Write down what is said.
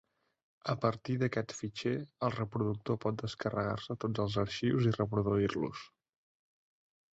A partir d'aquest fitxer el reproductor pot descarregar-se tots els arxius i reproduir-los.